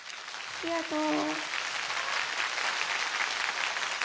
ありがとう。